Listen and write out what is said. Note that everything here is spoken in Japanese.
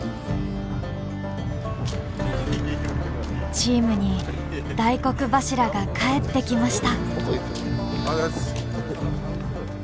チームに大黒柱が帰ってきました。